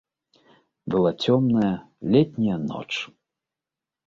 Была цёмная летняя ноч.